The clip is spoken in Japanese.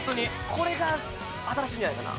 これが新しいんじゃないかな？